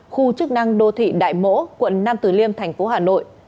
khu chức năng đô thị đại mỗ quận nam tử liêm tp hà nội